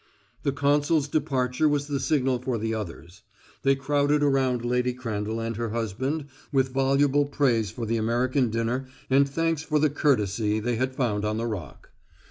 The consul's departure was the signal for the others. They crowded around Lady Crandall and her husband with voluble praise for the American dinner and thanks for the courtesy they had found on the Rock.